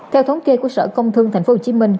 theo thống kê của sở công thương tp hcm